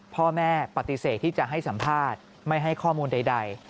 พ่อแม่ปฏิเสธที่จะให้สัมภาษณ์ไม่ให้ข้อมูลใด